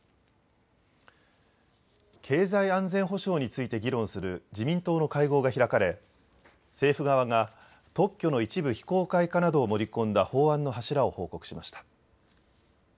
経済安全保障について議論する自民党の会合が開かれ、政府側が、特許の一部非公開化などを盛り込んだ法案の柱を報告しました。